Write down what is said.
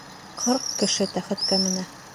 Ҡырҡ кеше тәхеткә менә.